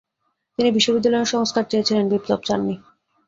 তিনি বিশ্ববিদ্যালয়ের সংস্কার চেয়েছিলেন, বিপ্লব চান নি।